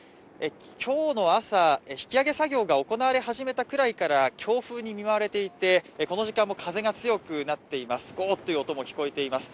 今日の朝、引き揚げ作業が行われ始めたぐらいから強風に見舞われていてこの時間も風が強くなっています。